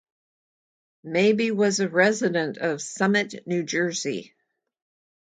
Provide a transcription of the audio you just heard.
Mabie was a resident of Summit, New Jersey.